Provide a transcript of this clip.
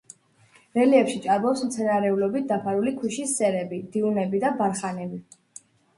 რელიეფში ჭარბობს მცენარეულობით დაფარული ქვიშის სერები, დიუნები და ბარხანები.